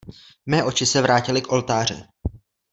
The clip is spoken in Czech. Mé oči se vrátily k oltáři.